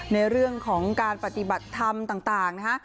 ในเรื่องของการปฏิบัติธรรมต่างนะฮะ